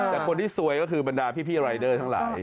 แต่คนที่ซวยก็คือบรรดาพี่รายเดอร์ทั้งหลาย